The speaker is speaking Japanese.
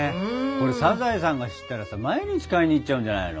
これサザエさんが知ったらさ毎日買いに行っちゃうんじゃないの？